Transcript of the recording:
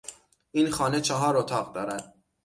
این خانه چهار اتاق دارد.